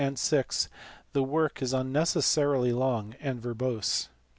And (vi) the work is unnecessarily long and verbose.